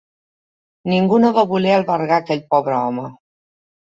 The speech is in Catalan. Ningú no va voler albergar aquell pobre home.